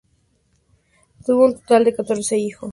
Tuvo un total de catorce hijos.